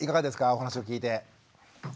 お話を聞いて。